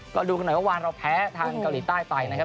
ก็ดูกันหน่อยว่าวานเราแพ้ทางเกาหลีใต้ไปนะครับ